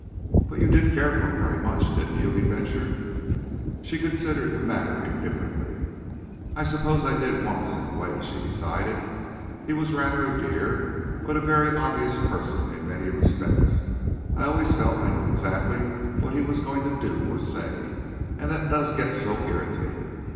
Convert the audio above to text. "But you did care for him very much, didn't you?" he ventured. She considered the matter indifferently. "I suppose I did once, in a way," she decided. "He was rather a dear, but a very obvious person in many respects. I always felt I knew exactly what he was going to do or say, and that does get so irritating.